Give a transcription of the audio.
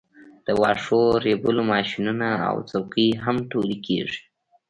د واښو ریبلو ماشینونه او څوکۍ هم ټولې کیږي